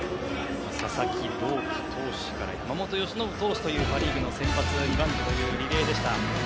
佐々木朗希投手から山本由伸投手というパ・リーグの先発、２番手というリレーでした。